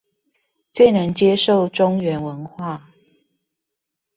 最能接受中原文化